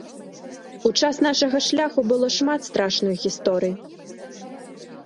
У час нашага шляху было шмат страшных гісторый.